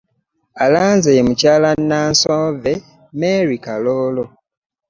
Alanze ye Mukyala Nnansovve Mary Kaloolo.